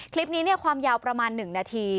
คลิปนี้ความยาวประมาณ๑นาที